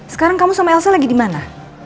sekarang kamu sama elsa lagi di mana